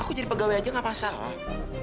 aku jadi pegawai aja gak masalah